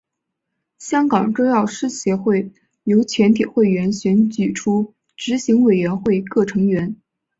香港中药师协会由全体会员选举出执行委员会各成员。